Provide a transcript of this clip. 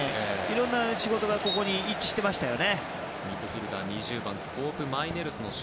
いろんな仕事がここに一致してましたよね。